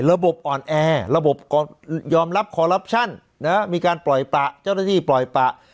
ระบบอ่อนแอระบบยอมรับคอลลับชั่นมีการปล่อยปะเจ้าหน้าที่ปล่อยปะ